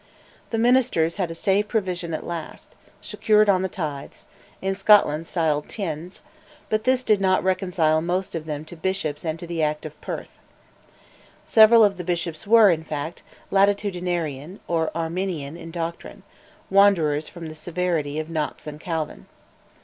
The ministers had a safe provision at last, secured on the tithes, in Scotland styled "teinds," but this did not reconcile most of them to bishops and to the Articles of Perth. Several of the bishops were, in fact, "latitudinarian" or "Arminian" in doctrine, wanderers from the severity of Knox and Calvin.